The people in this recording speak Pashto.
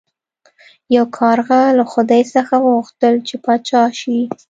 یو کارغه له خدای څخه وغوښتل چې پاچا شي.